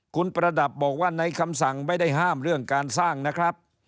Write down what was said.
คุณประดับบอกว่าในคำสั่งไม่ได้ห้ามเรื่องการสร้างนะครับ